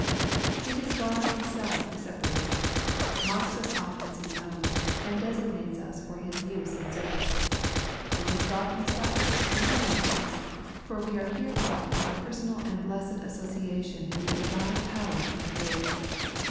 It is God Himself Who separates us, marks us off as His own, and designates us for His use and service. It is God Himself, and no one else, for we are here brought into personal and blessed association with the Divine power and grace.